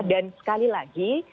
dan sekali lagi